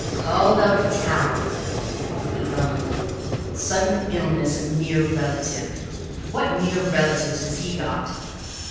"Called out of town!" he grumbled. "Sudden illness of near relative! What near relatives has he got?"